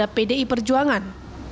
nama baik terhadap pdi perjuangan